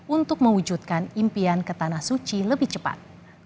untuk mewujudkan impian ke tanah suci lebih cepat